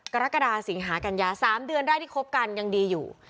กรกฎาสิงหากัญญา๓เดือนได้ที่คบกันยังดีอยู่